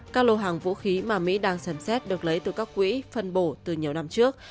các lô hàng vũ khí mà mỹ đang xem xét được lấy từ các quỹ phân bổ từ nhiều năm trước